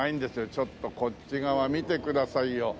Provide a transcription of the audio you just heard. ちょっとこっち側見てくださいよ。